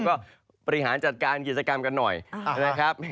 ก็บริหารจัดการกิจกรรมกันหน่อยนะครับ